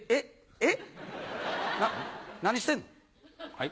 えっ？